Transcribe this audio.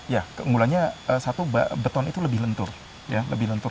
ya keunggulannya satu beton itu lebih lentur lentur